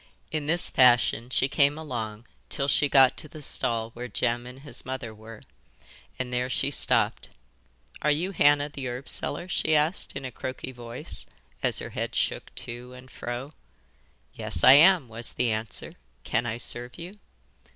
In this fashion she came along till she got to the stall where Jem and his mother were, and there she stopped. 'Are you Hannah the herb seller?' she asked in a croaky voice as her head shook to and fro. 'Yes, I am,' was the answer. 'Can I serve you?